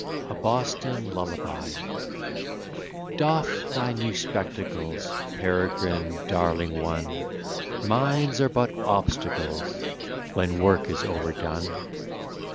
A BOSTON LULLABY Doff thy new spectacles, Peregrine, darling one; Minds are but obstacles When work is overdone.